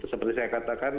seperti saya katakan